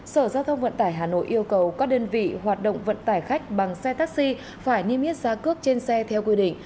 sở giao thông vận tải hà nội yêu cầu các đơn vị hoạt động vận tải khách bằng xe taxi phải niêm yết giá cước trên xe theo quy định